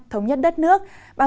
thống nhất đất nước